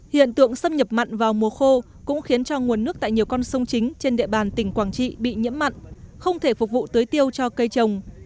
hiện tượng xâm nhập mặn vào mùa khô cũng khiến cho nguồn nước tại nhiều con sông chính trên địa bàn tỉnh quảng trị bị nhiễm mặn không thể phục vụ tưới tiêu cho cây trồng